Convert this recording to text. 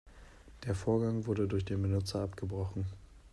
Der Vorgang wurde durch den Benutzer abgebrochen.